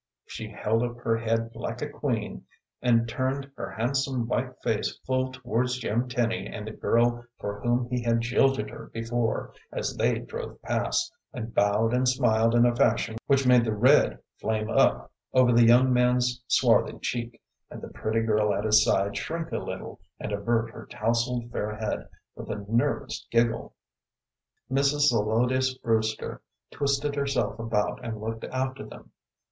She held up her head like a queen and turned her handsome white face full towards Jim Tenny and the girl for whom he had jilted her before, as they drove past, and bowed and smiled in a fashion which made the red flame up over the young man's swarthy cheek, and the pretty girl at his side shrink a little and avert her tousled fair head with a nervous giggle. Mrs. Zelotes Brewster twisted herself about and looked after them.